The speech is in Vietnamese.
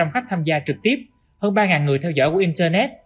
một năm trăm linh khách tham gia trực tiếp hơn ba người theo dõi của internet